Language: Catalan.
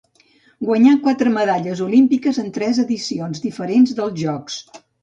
Guanyà quatre medalles olímpiques en tres edicions diferents dels Jocs.